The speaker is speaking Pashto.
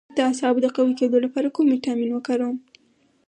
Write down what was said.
د اعصابو د قوي کیدو لپاره کوم ویټامین وکاروم؟